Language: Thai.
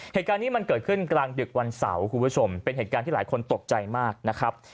เหตุการณ์นี้มันเกิดขึ้นกลางดึกวันเสาร์คุณผู้ชมเป็นเหตุการณ์ที่หลายคนตกใจมากนะครับ